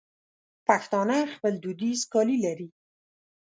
پښتانه خپل دودیز کالي لري.